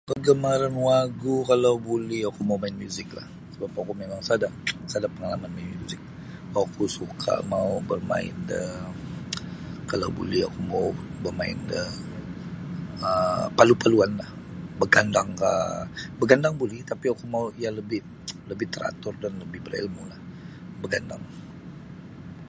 Kagamaran wagu kalau boleh oku mau main muziklah sabap oku mimang sada' sada' pengalaman main muzik oku suka mau bermain daa kalau boleh aku mau bamain da um palu-paluanlah bagandangkah bagandang boleh tapi oku mau iyo lebih teratur dan lebih berilmulah bagandang